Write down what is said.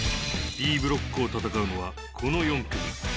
Ｂブロックを戦うのはこの４組。